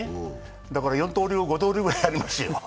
だから四刀流、五刀流ぐらいやりますよ。